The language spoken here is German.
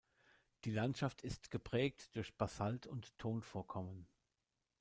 Die Landschaft ist geprägt durch Basalt- und Tonvorkommen.